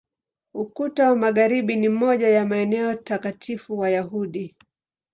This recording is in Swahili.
Ukuta wa Magharibi ni moja ya maeneo takatifu Wayahudi.